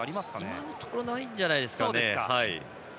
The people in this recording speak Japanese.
今のところないんじゃないですかね。